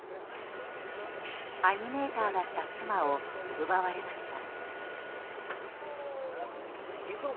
アニメーターだった妻を奪われました。